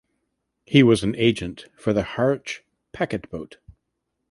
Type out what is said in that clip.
He was an agent for the Harwich packet boat.